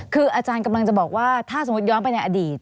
คืออาจารย์กำลังจะบอกว่าถ้าสมมุติย้อนไปในอดีต